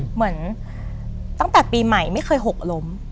เหมือนตั้งแต่ปีใหม่ไม่เคยหกล้ม